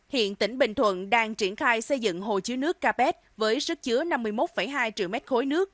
hiện tỉnh bình thuận đang triển khai xây dựng hồ chứa nước capet với sức chứa năm mươi một hai triệu m ba nước